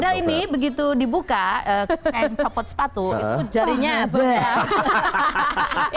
padahal ini begitu dibuka saya popot sepatu itu jarinya sebenarnya